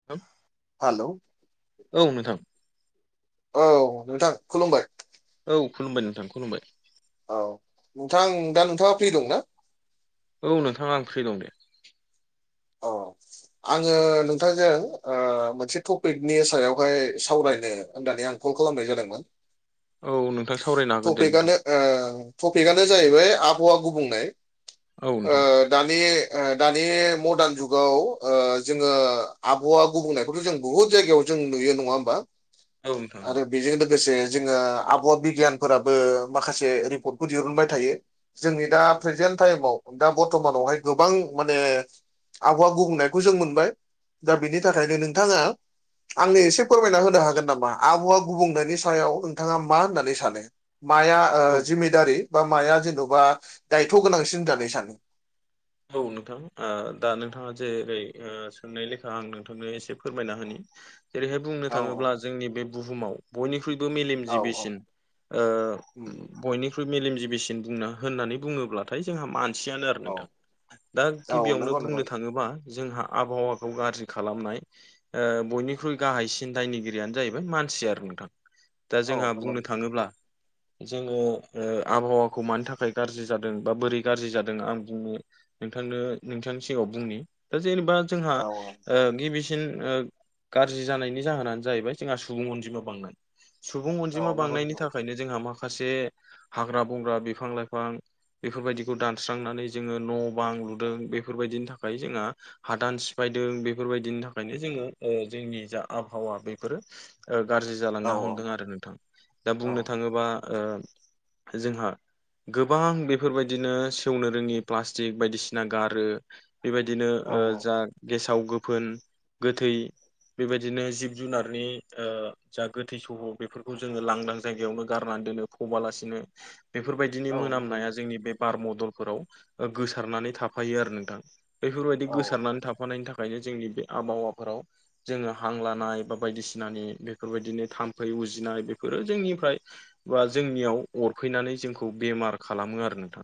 [unintelligible] Hello औ नोंथां। औ नोंथां खुलुमबाय औ खुलुमबाय नोंथां खुलुमबाय औ नोंथां दा नोंथाङा फ्रि दंना। औ नोंथां आं फ्रि दं दे अ। आङो नोंथांजों मोनसे टपिकनि सायावहाय सावरायनो होननानै आं कल खालामनाय जादोंमोन। औ नोंथां सावरायनो हागोन दे टपिकआनो नोंथां। टपिकआनो जाहैबाय आबहावा गुबुंनाय औ ओ नोंथां। दानि दानि मडार्न जुगाव जोङो आबहावा गुबुंनायखौथ' जों बुहुत जायगायाव जों नुयो नङा होमबा औं नोंथां। आरो बेजों लोगोसे जोङो आबहावा बिगियानफोराबो माखासे रिपर्टखौ दिहुनबाय थायो। जोंनि दा प्रेजेन्ट टाइमाव दा बर्थमानावहाय गोबां माने आबहावा गुबुंनायखौ जों मोनबाय दा बेनि थाखायनो नोंथाङा। आंनो एसे फोरमायना होनो हागोन नामा आबौआ गुबुंनायनि सायाव नोंथाङा मा होननानै सानो। माया औ जिमिदारि बा माया जेन'बा दायथ' गोनांसिन होननानै सानो औ नोंथां दा नोंथाङा जेरै सोंनाय लेखा आं नोंथांनो एसे फोरमायना होनि जेरैहाय बुंनो औ थाङोब्ला जोंनि बे बुहुमाव बयनिख्रुइबो औ औ मेलेमजिबिसिन ओ उम बयनिख्रुइ मेलेमजिबिसिन बुंना होननानै बुङोब्लाथाय जोंहा मानसियानो आरो औ नोंथां। दा औ गिबियावनो नंगौ नंगौ बुंनो थाङोबा जोंहा आबहावाखौ गाज्रि खालामनाय ओ बयनिख्रुइ गाहायसिन दायनिगिरियानो जाहैबाय मानसि आरो नोंथां। दा औ जोंहा नंगौ बुंनो थाङोब्ला जोङो ओ आबहावाखौ मानि थाखाय गाज्रि जादों बा बोरै गाज्रि जादों आं बुंनो नोंथांनो नोंथांनि सिगाङाव बुंनि दा जेनेबा जोंहा औ गिबिसिन गाज्रि जानायनि जाहोनानो जाहैबाय जोंहा सुबुं अनजिमा बांनाय सुबुं अनजिमा औ नंगौ बांनायनि नंगौ थाखायनो औ जोंहा माखासे हाग्रा बंग्रा बिफां लाइफां बेफोरबायदिखौ दानस्रांनानै जोङो न' बां लुदों बेफोरबायदिनि थाखाय जोंहा हादान सिफायदों बेफोरबायदिनि थाखायनो जोङो जोंनि जा आबहावा बेफोरो गाज्रि जालांनो औ हमदों आरो नोंथां दा औ बुंनो थाङोबा जोंहा गोबां बेफोरबायदिनो सेवनो रोङि प्लास्टिक जे बायदिसिना गारो बेबायदिनो औ ओ औ जा गेसाव गोफोन गोथै बेबायदिनो जिब जुनारनि जा गोथै सह बेफोरखौ जोङो लांदां जायगायावनो गारनानै दोनो फबालासिनो। बेफोरबायदिनि औ नंगौ मोनामनाया नंगौ जोंनि बे बार मदलफोराव गोसारनानै थाफायो आरो नोंथां। औ बेफोरबायदि गोसारनानै थाफानायनि थाखायनो जोंनि बे आबहावाफोराव। जोङो हां लानाय बा बायदिसिनानि बेफोरबायदिनो थाम्फै उजिनाय बेफोरो जोंनिफ्राय बा जोंनियाव अरफैनानै जोंखौ बेमार खालामो आरो नोंथां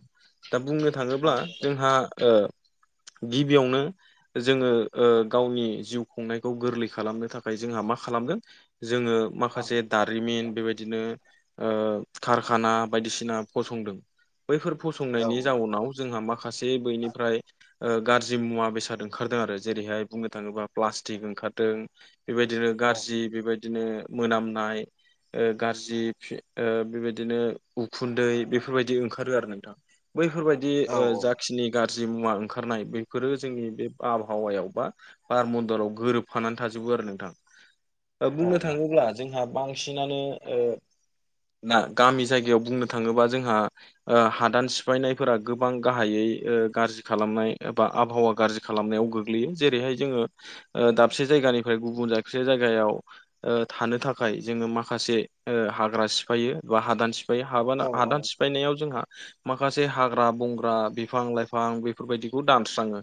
दा बुंनो औ थाङोब्ला जोंहा ओ गिबियावनो जोङो गावनि जिउ खुंनायखौ गोरलै खालामनो थाखाय जोंहा मा खालामदों। जोङो औ माखासे दाद जारिमिन बेबायदिनो ओ कारखाना बायदिसिना फसंदों। बैफोर औ फसंनायनि जाउनाव जोंहा माखासे बैनिफ्राय गाज्रि मुवा बेसाद ओंखारदों आरो जेरैहाय बुंनो थाङोब्ला प्लास्टिक ओंखारदों। बेबायदिनो औ गाज्रि बेबायदिनो मोनामनाय। ओ गाज्रि बेबायदिनो उखुन्दै बेफोरबायदि ओंखारो आरो नोंथां। बैफोरबायदि औ ओ जा खिनि गाज्रि मुवा ओंखारनाय बेफोरो जोंनि बे आबहावायाव बा बारमन्दराव गोरोबफानानै थाजोबो आरो नोंथां ओ औ बुंनो थाङोब्ला जोंहा बांसिनानो ओ दा गामि जायगायाव बुंनो थाङोबा जोंहा हादान सिफायनायफोरा गोबां गाहायै गाज्रि खालामनाय एबा आबहावा गाज्रि खालामनायाव गोग्लैयो जेरैहाय जोङो ओ दाबसे जायगानिफ्राय गुबुन जाबसे जायगायाव। ओ थानो थाखाय जोङो माखासे ओ हाग्रा सिफायो बा हादान सिफ बै हाब औ हादान सिफायनायाव जों माखासे हा हाग्रा बंग्रा बिफां लाइफां बेफोरबायदिखौ दानस्राङो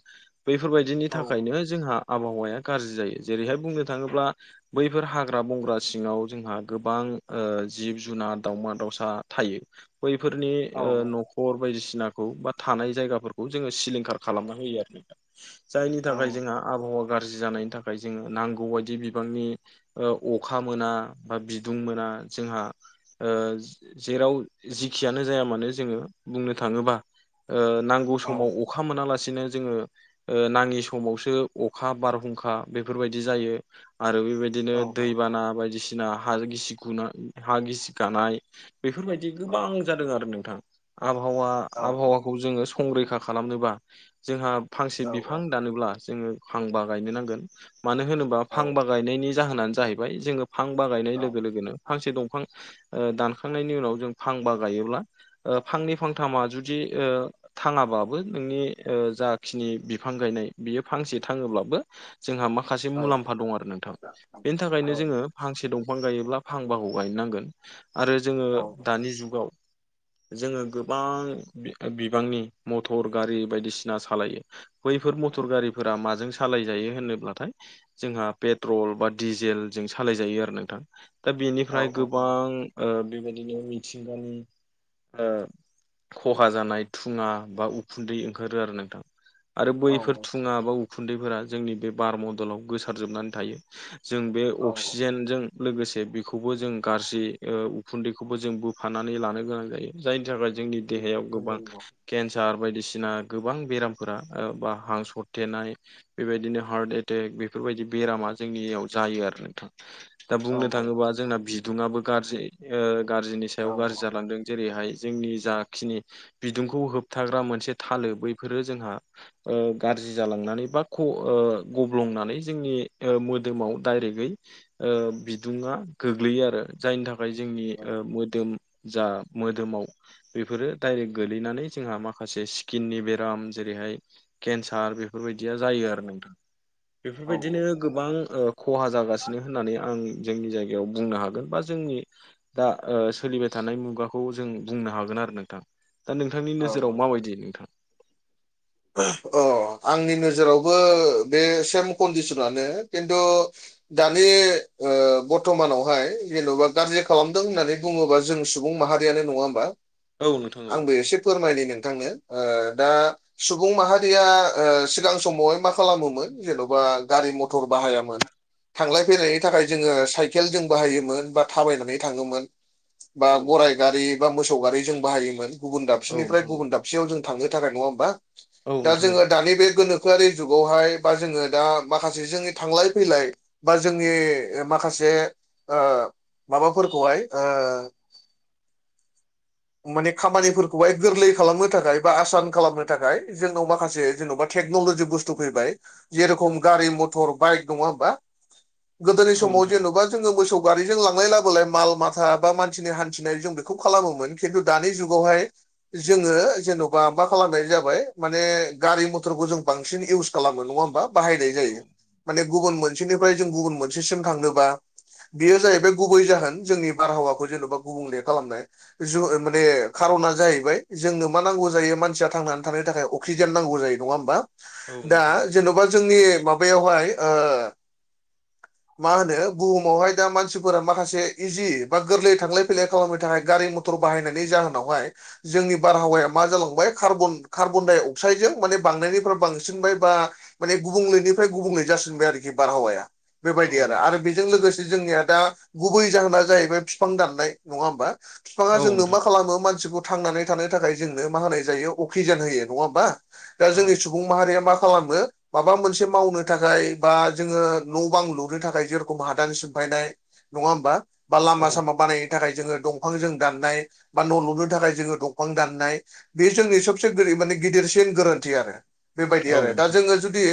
बैफोरबायदिनि औ थाखायनो जोंहा आबहावाया गाज्रि जायो जेरैहाय बुंनो थाङोब्ला बैफोर हाग्रा बंग्रा सिङाव जोंहा गोबां ओ जिब जुनार दावमा दाउसा थायो। बैफोरनि ओ औ न'खर बायदिसि सिनाखौ बा थानाय जायगाफोरखौ जोङो सिलिंखार खालामना होयो। जायनि औ थाखाय जोंहा औ आबहावा गाज्रि जानायनि थाखाय जोङो नांगौ बायदि बिबांनि ओ अखा मोना बा बिदुं मोना जोंहा ओ जेराव जखियानो जाया मानो जोङो बुंनो थाङोबा ओ नांगौ समाव अखा मोनालासिनो जोङो ओ नाङि समावसो अखा बारहुंखा बेफोरबायदि जायो आरो बेबाय बिदिनो नंगौ औ दैबाना बायदिसिना हा गिसि गु हा गिसि गानाय। बेफोरबायदि गोबां जादों आरो नोंथां। आबहावा औ नंगौ आबहावाखौ जोङो संरैखा खालामनोबा। जोंहा फांसे नंगौ औ बिफां दानोब्ला जोङो फांबा गायनो नांगोन मानो होनोबा फांबा औ गायनायनि जाहोनानो जाहैबाय जोङो फां बा गायनाय लोगो लोगोनो फांसे दंफां बा ओ दानखांनायनि उनाव जों फांबा गायोब्ला ओम फांनै फांथामा जुदि ओ थाङाबाबो नोंनि ओ जाखिनि बिफां गायनाय बियो फांसे थाङोब्लाबो जोंहा माखासे मुलाम्फा दं आरो नोंथां बेनि थाखायनो जोङो फांसे दंफां गायोब्ला फांबाखौ गायनांगोन आरो जोङो दानि जुगाव जोङो गोब गोबां बिबांनि मटर गारि बायदिसिना सालायो। बैफोर मटर गारिफोरा माजों सालायजायो होनोब्लाथाय जोंहा पेट्रल बा डिजेलजों सालाय जायो आरो नोंथां। दा बेनिफ्राय गोबां ओ बेबायदिनो मिथिंगानि ओ खहा जानाय थुङा बा उखुन्दै ओंखारो आरो नोंथां आरो बैफोर थुङा बाव उखुन्दैफोरा जोंनि बे बार मडलाव गोसारजोबनानै थायो जों बे अक्सिजेनजों लोगोसे बेखौबो जों गाज्रि ओ उखुन्दैखौबो जों बोफानानै लानो गोनां जायो जायनि थाखाय जोंनि देहायाव गोबां केन्सार बायदिसिना गोबां बेरामफोरा बा ओ हांसरथेनाय बेबायदिनो हार्ट एटेक बेफोरबायदि बेरामा जोंनियाव जायो आरो नोंथां। दा बुंनो थाङोबा जोंना बिदुङाबो गाज्रि ओ गाज्रिनि सायाव गाज्रि जालांदों जेरैहाय जोंनि जाखिनि बिदुंखौ होबथाग्रा मोनसे थालो बैफोरो जोंहा ओ गाज्रि जालांनानै बा ख ओ गब्लंनानै जोंनि ओ मोदोमाव डायरेक्टयै ओ बिदुुङा गोग्लैयो आरो जायनि थाखाय जोंनि ओ मोदोम जा मोदोमाव बेफोरो डायरेक्ट गोलैनानै जोंहा माखासे स्किननि बेराम जेरैहाय केन्सार बेफोर बायदिया जायो आरो नोंथां। बेफोर औ बायदिनो गोबां ओ खहा जागासिनो होननानै आं जोंनि जाय याव बुंनो हागोन बा जोंनि दा ओ सोलिबाय थानाय मुगाखौ जों बुंनो हागोन आरो नोंथां। दा नोंथांनि औ औ नोजोराव माबायदि नोंथां? अ आंनि नोजोरावबो बे सेम कन्डिसनानो खिन्थु दानि ओ बर्थ'मानावहाय जेन'बा गाज्रि खालामदों होननानै बुङोबा जों सुबुं माहारियानो नङा होमबा। औ नोंथां आंबो एसे फोरमायनो नोंथांनो ओ दा सुबुं माहारिया ओ सिगां समावहाय मा खालामोमोन जेन'बा गारि मथर बाहायामोन। थांलाय फैलायनि थाखाय जोङो साइकेल जों बाहायोमोन बा थाबायनानै थाङोमोन। बा औ गराइ गारि बा मोसौ गारि जों बाहायोमोन। गुबुन औ दाबसेनिफ्राय नोंथां औ गुबुन दाब खाबसेयाव जों थांनो थाखाय नङा होनबा औ दा नोंथां जोङो दानि बे गोनोखोआरि जुगावहाय बा जोङो दा माखासे जोंनि थांलाय फैलाय बा जोंनि ओ माखासे ओ माबाफोरखौहाय ओ माने खामानिफोरखौहाय गोरलै खालामनो थाखाय बा आसान खालामनो थाखाय जोंनाव माखासे जेन'बा टेक्न'ल'जि बुस्थु फैबाय। जे औ रखम गारि मथर बाइक नङा होमबा। गोदोनि समाव जेन'बा जोङो मोसौ गारिजों लांलाय लाबोलाय माल माथा बा मानसिनि हान्थिनाय जों बेखौ खालामोमोन। खिन्थु दानि जुगावहाय जोङो जेन'बा मा खालामनाय जा हाय माने गारि मथरखौ जों बांसिन इउस खालामो नङा होनबा बाहायनाय औ नोंथां औ जायो। माने गुबुन मोनसेनिफ्राय जों गुबुन मोनसेसिम थांनोबा बेयो जाहैबाय गुबै जाहोन जोंनि बारहावाखौ जेन'बा गुबुंले खालामनाय। ज ओ माने खार'ना जाहैबाय जोंनो मा नांगौ जायो मानसिया थांनानै थाखाय अक्सिजेन नांगौ जायो नङा होमबा दा जेन'बा जोंनि माबायावहाय ओ मा होनो बुहुमावहाय दा मानसिफोरा माखासे इजि बा गोरलै थांलाय फैलाय खालामनो थाखाय गारि म थर बाहायनायनि जाहोनावहाय जोंनि बारहावाया मा जालांबाय खार्बन खार्बनडाइ अक्साइडजों माने बांनायनिफ्राय बांसिनबाय बा माने गुबुंलेनिफ्राय गुबुंले जासिनबाय आरोखि बारहावाया औ बेबायदि आरो आरो बेजों लोगोसे जोंनिया दा गुबै जाहोना जाहैबाय फिफां दाननाय नङा होमबा फिफाङा नोंथां औ जोंनो नोंथां मा खालामो मानसिफोर थांनानै थानो थाखाय जोंनो मा होनाय जायो असिजेन होयो नङा होनबा। दा औ नोंथां औ नोंथां औ नोंथां औ नोंथां औ जोंनि सु सुबुं माहारिया मा खालामो माबा मोनसे मावनो थाखाय बा जोङो न' बां लुनो थाखाय जे रखम हादान सिफायनाय नङा होमबा बा लामा सामा बानाय थाखाय जोङो दंफां जों दाननाय बा न' लुनो थाखाय जोङो दंफां दाननाय बे जोंनि सब से गोरो माने गिदिरसिन गोरोन्थि आरो बेबायदि आरो दा जोङो जुदि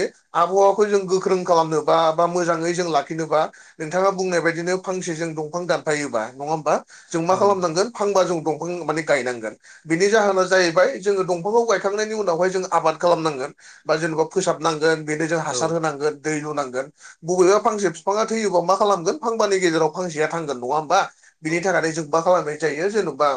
आबहावाखौ जों गोख्रों खालामनोबा बा मोजाङै जों लाखिनोबा नोंथाङा बुंनाय बायदिनो फांसेजों दंफां दानफायोबा नङा होमबा जों मा खालामनांगोन फांबा जों दंफां माने गायनांगोन। बिनि जाहोना जाहैबाय जोङो दंफांखौ गायखांनायनि उनावहाय जों आबाद खालामनांगोन बा जेनेबा फोसाबनांगोन बेनो जों हासार होनांगोन दै लुनांगोन। बबेबा फांसे फिफाङा थैयोबा मा खालामगोन फांबानि गेजेराव फांसेया थांगोन नङा होमबा। बिनि थाखायनो जों मा खालामनाय जायो जेन'बा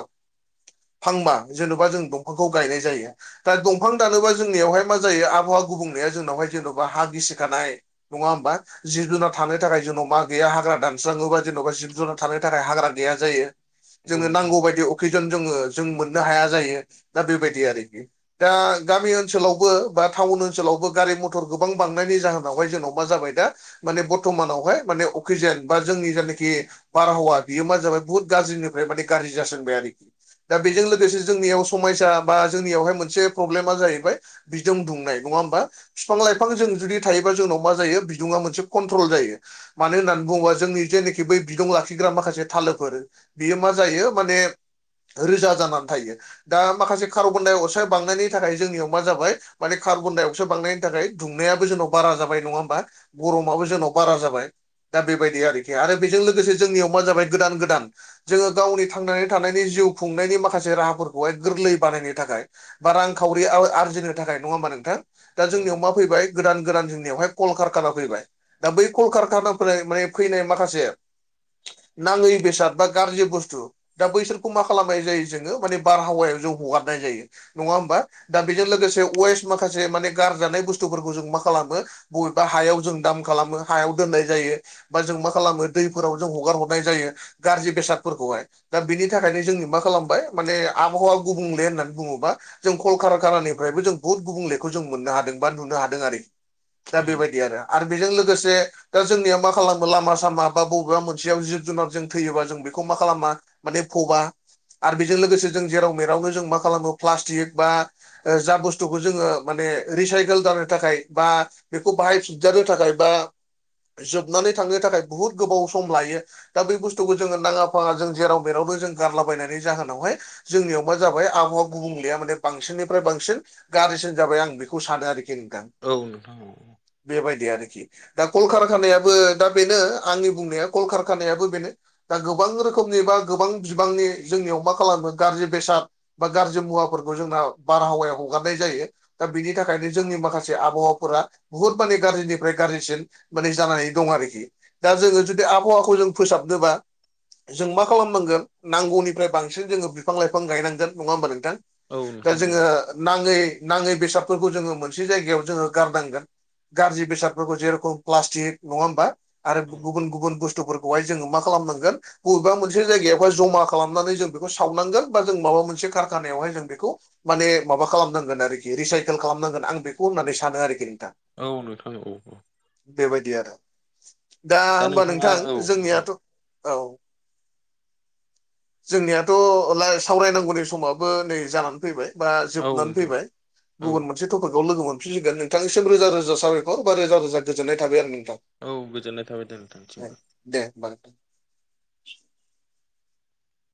फांबा जेन'बा जों दं बेफोरखौ गायनाय जायो। दा दंफां दानोबा जोंनियावहाय मा जायो आबहावा गुबुंनाया जोंनावहाय जेन'बा हा गिसिखानाय नङा होमबा? जिब जुनार थानो थाखाय जोंनाव मा गैया हाग्रा दानस्राङोबा जेन'बा जिब जुनार थानो थाखाय हाग्रा गैया जायो। जोङो नोंथां नांगौ बायदि अक्सिजेन जोङो जों मोननो हाया जायो दा बेबायदि आरोखि। दा गामि ओनसोलावबो बा टाउन ओनसोलावबो गारि मथर गोबां बांनायनि जाहोनावहाय जोंनाव मा जाबाय दा माने बर्थ'मानावहाय माने अक्सिजेन बा जोंनि जायनाखि बारहावा बियो मा जाबाय बुहुत गाज्रिनिफ्राय माने गाज्रि जासोंबाय आरोखि दा बेजों लोगोसे जोंनियाव समयसा बा जोंनियावहाय मोनसे प्रब्लेमा जाहैबाय बिदोम दुंनाय नङा होमबा? बिफां- लाइफां जों जुदि थायोबा जोंनाव मा जायो बिदुङा मोनसे कन्ट्रल जायो। मानो होननानै बुङोबा जोंनि जेनाखि बै बिदुं लाखिग्रा माखासे थालोफोर बेयो मा जायो माने रोजा जानानै थायो। दा माखासे कार्बन -डाइ- अक्साइड बांनायनि थाखाय जोंनियाव मा जाबाय माने कार्बन- डाइ -अक्सायद बांनायनि थाखाय दुंनायाबो जोंनाव बारा जाबाय नङा होमबा? गर'माबो जोंनाव बारा जाबाय दा बेबायदि आरोखि आरो बेजों लोगोसे जोंनियाव मा जाबाय गोदान गोदान जोङो गावनि थांनानै थानायनि जिउ खुंनायनि माखासे राहाफोरखौ [unintelligible] गोरलै बानायनो थाखाय बा रांखावरि आरजिनो थाखाय नङा होमबा नोंथां? दा जोंनियाव मा फैबाय गोदान गोदान जोंनियावहाय कलकारखाना फैबाय। दा बै कलकारखानाफोर माने फैनाय माखासे नाङै बेसाद बा गाज्रि बुस्थु दा बैसोरखौ मा खालामनाय जायो जोङो माने बारहावायाव जों हगारनाय जायो नङा होमबा? दा बेजों लोगोसे वेस्ट माखासे माने गारजानाय बुस्थुफोरखौ जों मा खालामो बबेबा हायाव जों दाम खालामो हायाव दोननाय जायो। बा जों मा खालामो दैफोराव जों हगार हरनाय जायो गाज्रि बेसादफोरखौहाय। दा बिनि थाखायनो जोंनि मा खालामबाय माने आबहावा गुबुंले होननानै बुङोबा जों कलकारकानानिफ्रायबो जों बुहुत गुबुंलेखौ जों मोननो हादों बा नुनो हादों आरोखि। दा बेबायदि आरो आरो बेजों लोगोसे दा जोंनिया मा खालामो लामा -सामा बा बबेबा मोनसेयाव जिब -जुनार जों थैयोबा जों बेखौ मा खालामा माने फबा आरो बेजों लोगोसे जों जेराव मेरावनो जों मा खालामो प्लास्टिक बा जा बुस्थुखौ जोङो माने रिसाइकेल जानो थाखाय बा बेखौ बाहायफिनजानो थाखाय बा जोबनानै थांनो थाखाय बुहुद गोबाव सम लायो। दा बे बुस्थुखौ जोङो नाङा फाङा जों जेराव मेरावनो जों गारलाबायनायनि जाहोनावहाय जोंनियाव मा जाबाय आबहावा गुबुंलेया माने बांसिननिफ्राय बांसिन गाज्रिसिन जाबाय आं बेखौ सानो आरोखि नोंथां। औ नोंथां। बेबायदि आरोखि। दा कलकारखानायाबो दा बेनो आंनि बुंनाया कलकारखानायाबो बेनो दा गोबां रोखोमनि बा गोबां बिबांनि जोंनियाव मा खालामो गाज्रि बेसाद बा गाज्रि मुवाफोरखौ जोंना बारहावायाव हगारनाय जायो। दा बिनि थाखायनो जोंनि माखासे आबहावाफोरा बुहुत माने गाज्रिनिफ्राय गाज्रिसिन माने जानानै दं आरोखि दा जोङो जुदि आबहावाखौ जों फोसाबनोबा जों मा खालामनांगोन नांगौनिफ्राय बांसिन जोङो बिफां -लाइफां गायनांगोन नङा होमबा नोंथां? दा जोङो नाङै नाङै बेसादफोरखौ जोङो मोनसे जायगायाव जोङो गारनांगोन। गाज्रि बेसादफोरखौ जेरेखम प्लास्टिक नङा होमबा? आरो गुबुन गुबुन बुस्थुफोरखौ बेवहाय जोङो मा खालामनांगोन बबेबा मोनसे जायगायावहाय जमा खालामनानै जों बेखौ सावनांगोन। बा जों माबा मोनसे कारखानायावहाय जों बेखौ माने माबा खालामनांगोन आरोखि रिसाइकेल खालामनांगोन आं बेखौ होननानै सानो आरोखि नोंथां। औ नोंथां नंगौ। बेबायदि आरो दा होमबा नोंथाङा नोंथां औ नोंथां औ जोंनियाथ' औ जोंनियाथ' लाइ सावरायनांगौनि समाबो नै जानानै फैबाय बा जोबनानै नोंथां फैबाय औ गुबुन मोनसे गथ'फोरखौ लोगो मोनफिनसिगोन नोंनिसिम रोजा रोजा साबायखर बा रोजा गोजोननाय थाबाय आरो नोंथां औ गोजोननाय थाबाय द नोंथांनिसिमबो दे [inaudible]